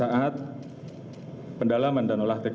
dan aku punya bintang yang sangat tinggi